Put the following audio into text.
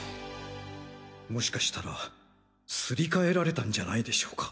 もしかしたらすり替えられたんじゃないでしょうか？